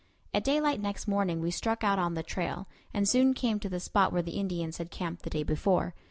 At daylight next morning we struck out on the trail, and soon came to the spot where the Indians had camped the day before.